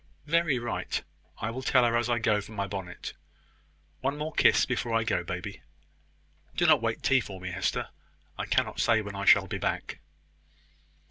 "Very right. I will tell her as I go for my bonnet. One more kiss before I go, baby. Do not wait tea for me, Hester. I cannot say when I shall be back."